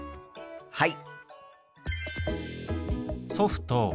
はい！